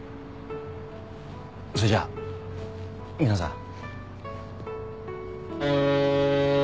それじゃ皆さん。